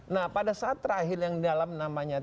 nah pada saat terakhir yang dalam namanya